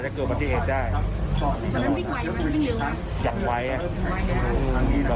โรคขึ้นหลังมาบางทีเขาก็ไม่รู้